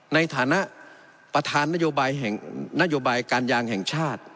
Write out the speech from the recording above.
ในฐานะประธานนโยบายการยางแห่งชาติ